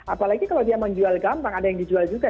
apalagi kalau dia menjual gampang ada yang dijual juga